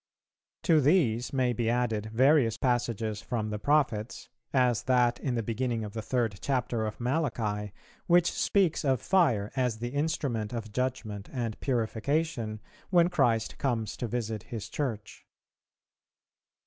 "To these may be added various passages from the Prophets, as that in the beginning of the third chapter of Malachi, which speaks of fire as the instrument of judgment and purification, when Christ comes to visit His Church.